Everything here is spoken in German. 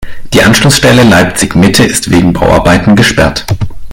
Die Anschlussstelle Leipzig-Mitte ist wegen Bauarbeiten gesperrt.